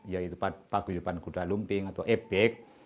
yaitu pak gujupan gunda lumping atau epek